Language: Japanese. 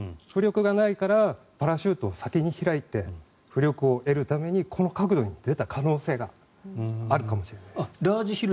浮力がないからパラシュートを先に開いて浮力を得るためにこの角度に出た可能性があるかもしれないです。